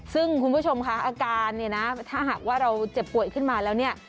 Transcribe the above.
ซึ่งคุณผู้ชมค่ะอาการเนี่ยนะถ้าหากว่าเราเจ็บป่วยขึ้นมาแล้วเนี่ย